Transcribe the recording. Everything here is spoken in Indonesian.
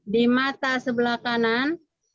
di mata sebelah kanan